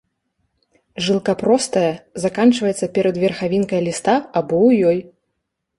Жылка простая, заканчваецца перад верхавінкай ліста або ў ёй.